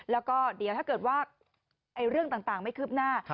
แล้วก็เดี๋ยวถ้าเกิดว่าเรื่องต่างไม่คืบหน้า